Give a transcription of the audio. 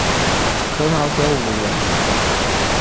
可考者五人。